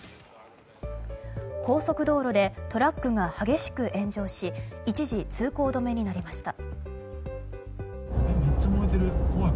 高速道路でトラックが激しく炎上し一時通行止めになりました。